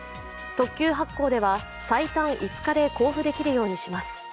特急発行では最短５日で交付できるようにします。